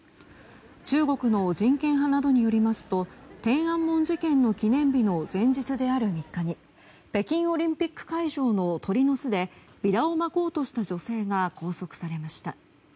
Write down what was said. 中国の人権派などによりますと天安門事件の記念日の前日である３日に北京オリンピック会場の鳥の巣でビラをまこうとした女性が拘束されました。